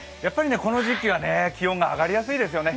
この時期はね、気温が上がりやすいですよね。